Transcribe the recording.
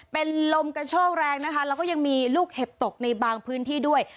เป็นลมกระโชกแรงนะคะแล้วก็ยังมีลูกเห็บตกในบางพื้นที่ด้วย